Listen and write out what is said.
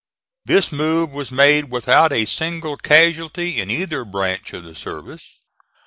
This move was made without a single casualty in either branch of the service.